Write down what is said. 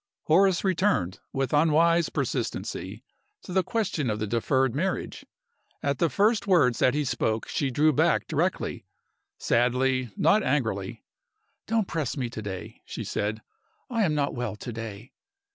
Horace returned, with unwise persistency, to the question of the deferred marriage. At the first words that he spoke she drew back directly sadly, not angrily. "Don't press me to day," she said; "I am not well to day."